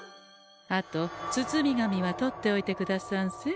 あと包み紙は取っておいてくださんせ。